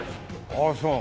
ああそう。